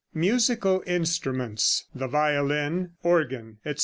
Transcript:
MUSICAL INSTRUMENTS. THE VIOLIN, ORGAN, ETC.